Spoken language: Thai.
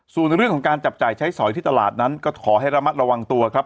ส่วนเรื่องของการจับจ่ายใช้สอยที่ตลาดนั้นก็ขอให้ระมัดระวังตัวครับ